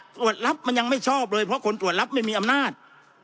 ตรวจรับมันยังไม่ชอบเลยเพราะคนตรวจรับไม่มีอำนาจ